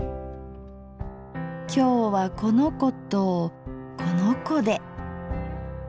今日はこの子とこの子で。